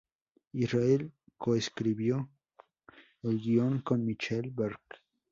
Israel coescribió el guion con Michael Berk.